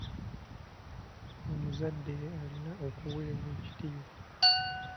Omuzadde alina okuweebwa ekitiibwa.